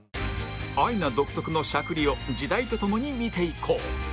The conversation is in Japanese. アイナ独特のしゃくりを時代とともに見ていこう